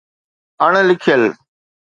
اڻ لکيل